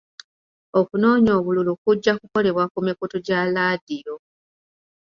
Okunoonya obululu kujja kukolebwa ku mikutu gya laadiyo.